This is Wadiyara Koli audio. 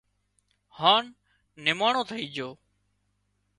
هانَ نماڻو ٿئي جھو